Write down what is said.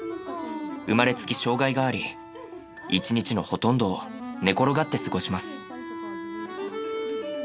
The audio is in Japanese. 生まれつき障害があり一日のほとんどを寝転がって過ごします。